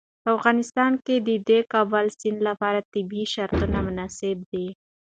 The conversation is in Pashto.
په افغانستان کې د د کابل سیند لپاره طبیعي شرایط مناسب دي.